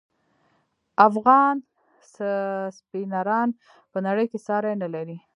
افغان سپینران په نړۍ کې ساری نلري.